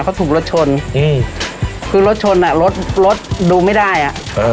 เขาถูกรถชนอืมคือรถชนอ่ะรถรถดูไม่ได้อ่ะเออ